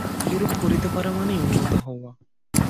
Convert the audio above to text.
এরূপ করিতে পারা মানেই উন্নত হওয়া।